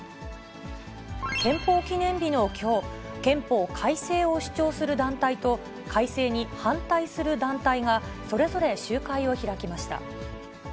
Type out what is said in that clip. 憲法記念日のきょう、憲法改正を主張する団体と、改正に反対する団体がそれぞれ集会を開きました。